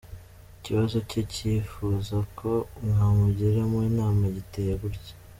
Ikibazo cye yifuza ko mwamugiramo inama giteye gutya:.